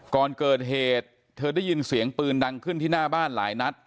ก่อนเกิดเหตุเธอได้ยินเสียงปืนดังขึ้นที่หน้าบ้านหลายนัด